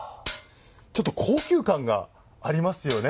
ちょっと高級感がありますよね。